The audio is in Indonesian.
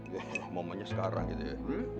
ya momennya sekarang gitu ya